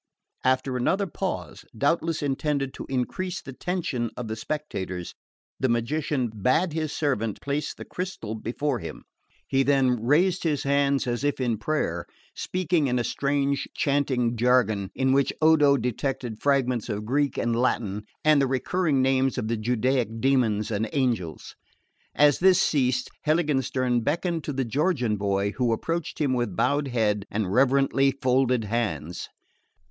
After another pause, doubtless intended to increase the tension of the spectators, the magician bade his servant place the crystal before him. He then raised his hands as if in prayer, speaking in a strange chanting jargon, in which Odo detected fragments of Greek and Latin, and the recurring names of the Judaic demons and angels. As this ceased Heiligenstern beckoned to the Georgian boy, who approached him with bowed head and reverently folded hands.